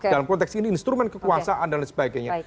dalam konteks ini instrumen kekuasaan dan lain sebagainya